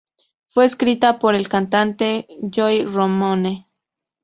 Fue escrita por el cantante Joey Ramone.